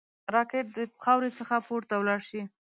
راکټ د خاورې څخه پورته ولاړ شي